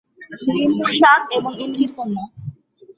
নিনহুরসাগ এবং এনকির কন্যা।